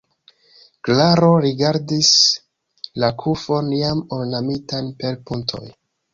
Klaro rigardis la kufon jam ornamitan per puntoj.